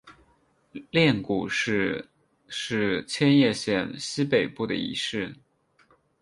镰谷市是千叶县西北部的一市。